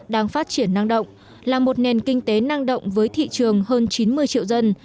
đang phát triển năng động là một nền kinh tế năng động với thị trường hơn chín mươi triệu dân